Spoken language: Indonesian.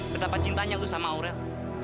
betapa cintanya tuh sama aurel